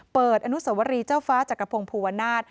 เปิดอนุสวรีเจ้าฟ้าจากกระพงภูวนาฏ